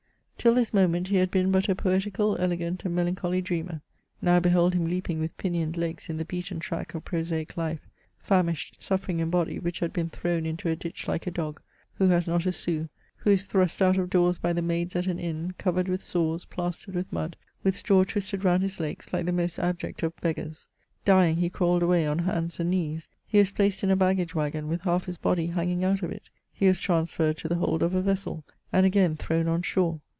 Till this moment he had been but a poetical, elegant and melancholy dreamer ; now behold him ^ leaping with pinioned legs in the beaten track of prosaic life, famished, suffering in body, which had been thrown into a ditch » like a dog, who has not a sou, who is thrust out of doors by the maids at an inn, covered with sores, plastered with mud, with straw twisted round his legs, like the most abject of beggars. Dying, he crawled away on hands and knees ; he was placed in a baggage waggon, with half his body hanging out of it : he was transferred to the hold of a vessel, and again thrown on shore.